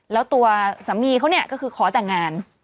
แล้วตัวสามีเขาเนี่ยก็คือขอแต่งงาน